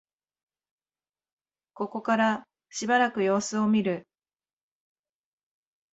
ここからしばらく様子を見る